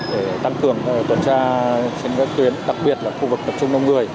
để tăng cường tuần tra trên các tuyến đặc biệt là khu vực tập trung đông người